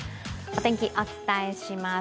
お天気、お伝えします。